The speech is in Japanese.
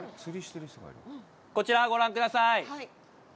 こちらをご覧ください。